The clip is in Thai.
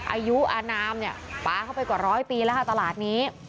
อายุอนามเนี่ยปลาเข้าไปกว่าร้อยปีแล้วค่ะตลาดนี้